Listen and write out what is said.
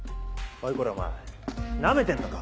おいこらお前ナメてんのか？